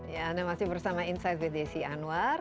ya anda masih bersama insight with desi anwar